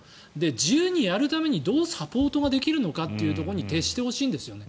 自由にやるためにどうサポートができるのかというところに徹してほしいんですよね。